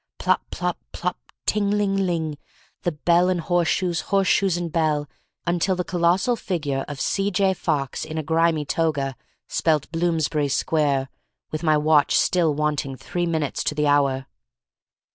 Plop, plop, plop; ting, ling, ling; bell and horse shoes, horse shoes and bell, until the colossal figure of C. J. Fox in a grimy toga spelt Bloomsbury Square with my watch still wanting three minutes to the hour.